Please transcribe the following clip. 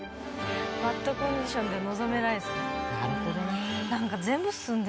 バッドコンディションで臨めないですね。